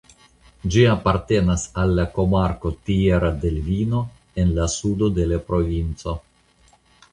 Ĝi apartenas al komarko Tierra del Vino en la sudo de la provinco.